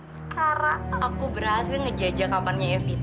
sekarang aku berhasil ngejajah kamarnya evita